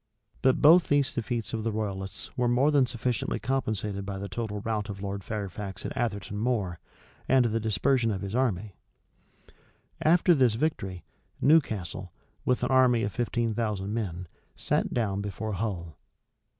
But both these defeats of the royalists were more than sufficiently compensated by the total rout of Lord Fairfax at Atherton Moor, and the dispersion of his army. After this victory, Newcastle, with an army of fifteen thousand men, sat down before Hull.